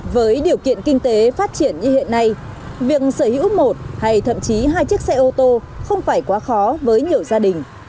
với điều kiện kinh tế phát triển như hiện nay việc sở hữu một hay thậm chí hai chiếc xe ô tô không phải quá khó với nhiều gia đình